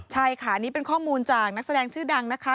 ใช่ค่ะนี่เป็นข้อมูลจากนักแสดงชื่อดังนะคะ